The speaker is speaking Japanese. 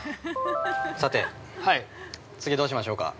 ◆さて、次どうしましょうか。